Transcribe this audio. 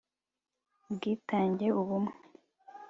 ubwitange, ubumwe